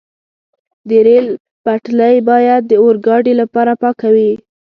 د ریل پټلۍ باید د اورګاډي لپاره پاکه وي.